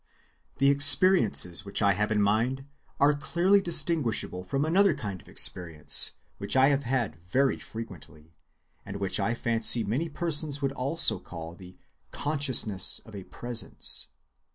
The experiences which I have in mind are clearly distinguishable from another kind of experience which I have had very frequently, and which I fancy many persons would also call the 'consciousness of a presence.